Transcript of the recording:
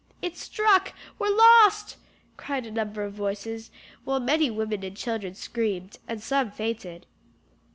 "It struck! we're lost!" cried a number of voices, while many women and children screamed, and some fainted.